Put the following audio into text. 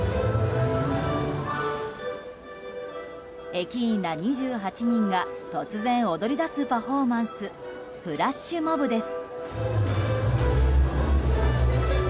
駅員ら２８人が突然、踊りだすパフォーマンスフラッシュモブです。